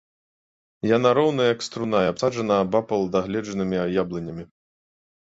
Яна роўная, як струна, і абсаджана абапал дагледжанымі яблынямі.